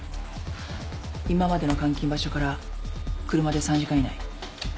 今までの監禁場所から車で３時間以内。